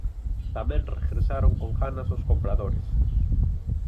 Tamén regresaron con ganas os compradores.